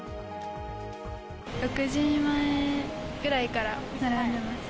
６時前ぐらいから並んでます。